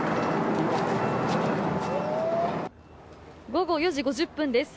午後４時５０分です。